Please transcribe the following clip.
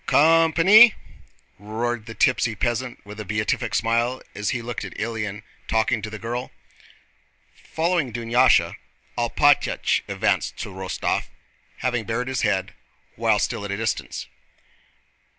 "Co o om pa ny!" roared the tipsy peasant with a beatific smile as he looked at Ilyín talking to the girl. Following Dunyásha, Alpátych advanced to Rostóv, having bared his head while still at a distance.